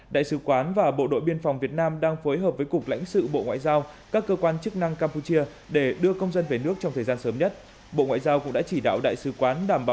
đại sứ quán và bộ đội biên phòng việt nam đang phối hợp với cục lãnh sự bộ ngoại giao các cơ quan chức năng campuchia để đưa công dân về nước trong thời gian sớm nhất